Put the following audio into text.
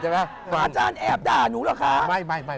อ๋อบาจารย์แอบด่าหนูแหละค่ะ